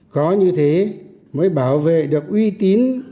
có như thế mới bảo vệ được uy tín